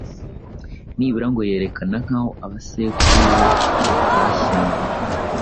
nibura ngo yerekane nk’aho abasekuru be bashyinguye